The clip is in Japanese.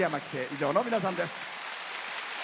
以上の皆さんです。